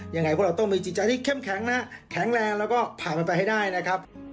ยังไงพวกเราต้องมีจิตใจที่เข้มแข็งนะแข็งแรงแล้วก็ผ่านมันไปให้ได้นะครับ